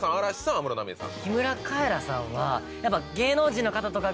安室奈美恵さん。